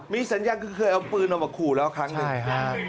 มีสัญญาณคือเอาปืนเอามาขู่แล้วครั้งนึง